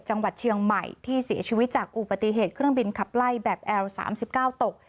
จังหวัดเชียงใหม่ที่เสียชีวิตจากอุบัติเหตุเครื่องบินขับไล่แบบแอล๓๙ตก